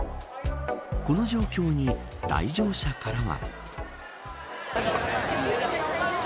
この状況に、来場者からは。